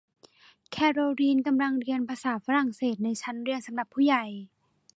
แคโรลีนกำลังเรียนภาษาฝรั่งเศสในชั้นเรียนสำหรับผู้ใหญ่